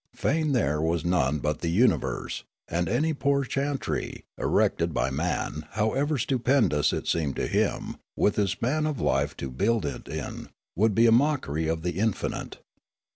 Fane there was none but the universe ; and any poor chantry erected bj'' man, however stupendous it seemed to him with his span of life to build it in, would be a mockery of the Infinite.